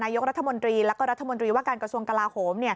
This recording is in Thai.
นายกรัฐมนตรีและการกระทรวงกลาโหม